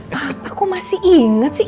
maaf aku masih ingat sih